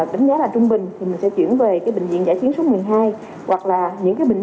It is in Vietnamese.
đánh giá là trung bình thì mình sẽ chuyển về cái bệnh viện giã chiến số một mươi hai hoặc là những cái bệnh